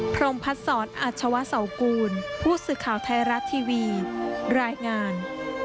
พรมพัดศรอัชวะเสากูลผู้สื่อข่าวไทยรัฐทีวีรายงาน